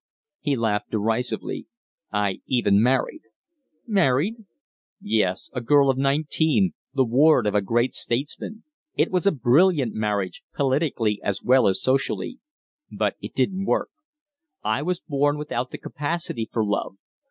He laughed derisively. "I even married " "Married?" "Yes. A girl of nineteen the ward of a great statesman. It was a brilliant marriage politically as well as socially. But it didn't work. I was born without the capacity for love.